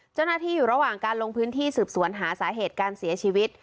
เจ้าหน้าที่อยู่ระหว่างการลงพื้นที่สืบสวนหาสาเหตุการเสียชีวิต